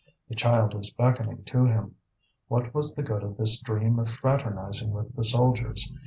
The child was beckoning to him. What was the good of this dream of fraternizing with the soldiers?